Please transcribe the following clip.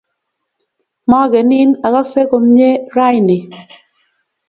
magenin ,akakse komie raini